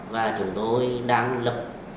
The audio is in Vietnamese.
và chúng tôi đang lập